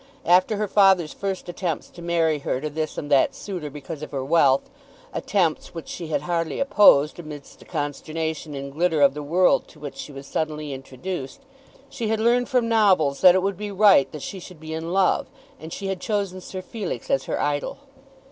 After her father's first attempts to marry her to this and that suitor because of her wealth, attempts which she had hardly opposed amidst the consternation and glitter of the world to which she was suddenly introduced, she had learned from novels that it would be right that she should be in love, and she had chosen Sir Felix as her idol.